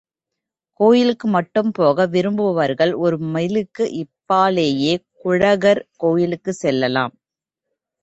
கோயிலுக்கு மட்டும் போக விரும்புபவர்கள் ஒரு மைலுக்கு இப்பாலேயே குழகர் கோயிலுக்குச் செல்லலாம்.